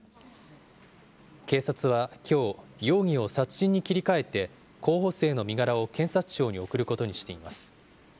警察はきょう、容疑を殺人に切り替えて、候補生の身柄を検察庁に送ることにしています。